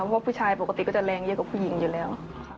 เพราะผู้ชายปกติก็จะแรงเยอะกว่าผู้หญิงอยู่แล้ว